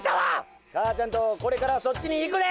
母ちゃんとこれからそっちに行くで！